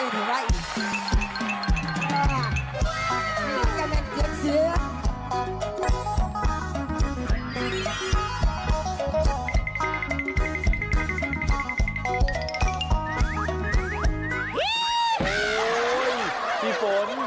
สบัดข่าวเด็ก